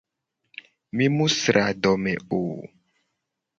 Mi mu sra adome o.